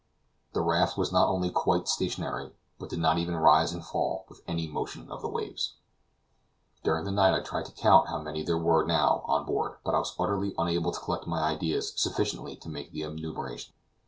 The raft was not only quite stationary, but did not even rise and fall with any motion of the waves. During the night I tried to count how many there were now on board, but I was utterly unable to collect my ideas sufficiently to make the enumeration.